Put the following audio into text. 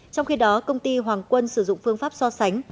trong khi đó công ty hoàng quân sử dụng phương pháp so sánh